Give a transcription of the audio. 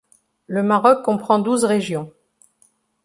Le Maroc comprend douze régions.